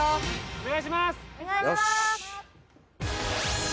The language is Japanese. お願いします